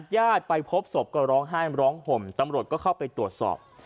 ญาติไปพบศพก็ร้องไห้ร้องห่มตำรวจก็เข้าไปตรวจสอบ